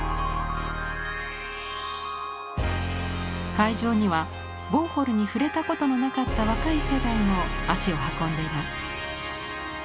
会場にはウォーホルに触れたことのなかった若い世代も足を運んでいます。